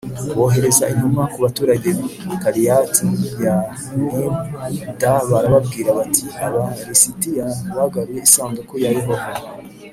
bohereza intumwa ku baturage b i Kiriyati Yeyarimu d barababwira bati Aba lisitiya bagaruye isanduku ya Yehova